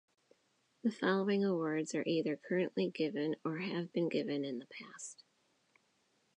The following awards are either currently given or have been given in the past.